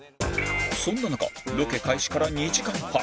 そんな中ロケ開始から２時間半